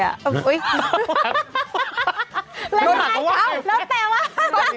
เอ้าแล้วแต่ว่า